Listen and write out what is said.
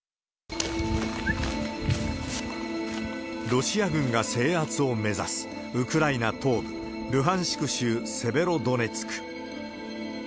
ロシア軍が制圧を目指す、ウクライナ東部ルハンシク州セベロドネツク。